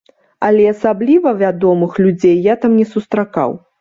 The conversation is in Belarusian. Але асабліва вядомых людзей я там не сустракаў.